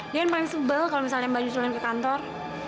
dia yang paling sebel kalo misalnya mbak justru liin ke kantor